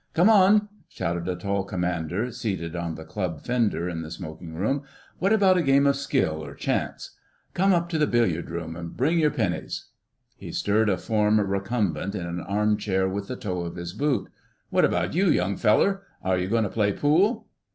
"Come on," shouted a tall Commander seated on the "club" fender in the smoking room, "what about a game of skill or chance? Come up to the billiard room, and bring your pennies!" He stirred a form recumbent in an arm chair with the toe of his boot. "What about you, young feller? Are you going to play pool?"